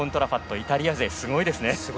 イタリア勢がすごいですね。